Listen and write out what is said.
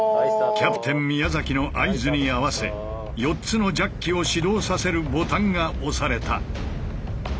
キャプテン宮の合図に合わせ４つのジャッキを始動させるボタンが押された。